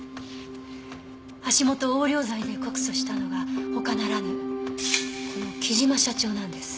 橋本を横領罪で告訴したのが他ならぬこの貴島社長なんです。